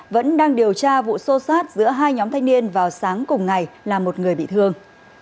vẫn đang điều tra vụ xô xát giữa hai nhóm thanh niên vào sáng cùng ngày là một người bị thương